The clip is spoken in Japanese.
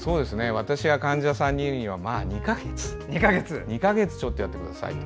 私が患者さんに言うのは２か月ちょっとやってくださいと。